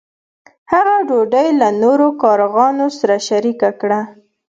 هغه ډوډۍ له نورو کارغانو سره شریکه کړه.